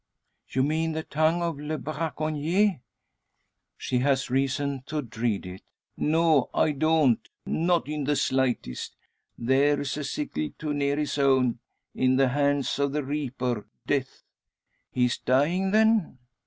"You mean the tongue of le braconnier?" She has reason to dread it. "No I don't; not in the slightest. There's a sickle too near his own in the hands of the reaper, Death." "He's dying, then?"